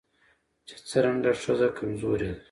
چې څرنګه ښځه کمزورې ده